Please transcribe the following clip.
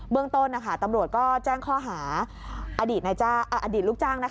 เมืองต้นตำรวจก็แจ้งข้อหาอดีตลูกจ้าง